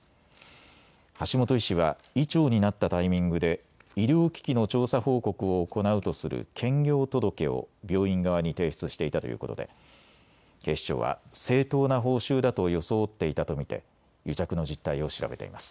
橋本医師は医長になったタイミングで医療機器の調査報告を行うとする兼業届を病院側に提出していたということで警視庁は正当な報酬だと装っていたと見て癒着の実態を調べています。